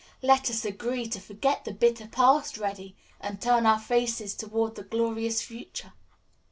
"Let us agree to forget the bitter past, Reddy, and turn our faces toward the glorious future.